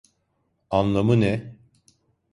Anlamı ne?